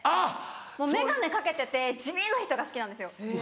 眼鏡掛けてて地味な人が好きなんですよ。